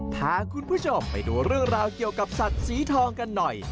พาคุณผู้ชมไปดูเรื่องราวเกี่ยวกับสัตว์สีทองกันหน่อย